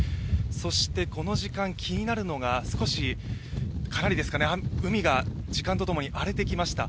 そして、この時間、気になるのがかなり海が時間とともに荒れてきました。